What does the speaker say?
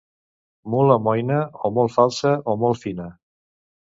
Mula moïna, o molt falsa o molt fina.